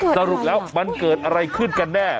สรุปแล้วมันเกิดอะไรขึ้นกันแน่